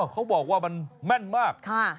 เขาบอกว่ามันแม่นมาก